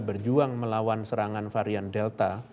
berjuang melawan serangan varian delta